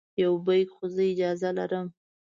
یو بیک خو زه اجازه لرم.